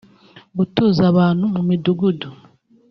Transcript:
gutuza abantu mu midugudu